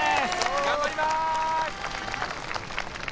頑張ります